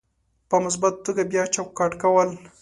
په مثبته توګه بیا چوکاټ کول: